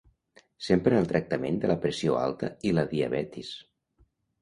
S'empra en el tractament de la pressió alta i la diabetis.